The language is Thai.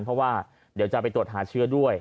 เพราะว่าเดี๋ยวจะไปตรวจหาเชื้อด้วย